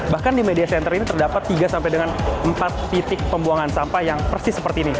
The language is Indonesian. bahkan di media center ini terdapat tiga sampai dengan empat titik pembuangan sampah yang persis seperti ini